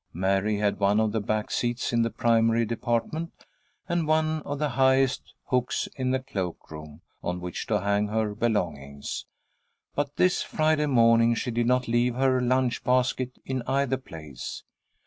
Mary had one of the back seats in the primary department, and one of the highest hooks in the cloak room, on which to hang her belongings. But this Friday morning she did not leave her lunch basket in either place.